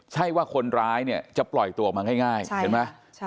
ใช่ว่าคนร้ายเนี่ยจะปล่อยตัวออกมาง่ายเห็นไหม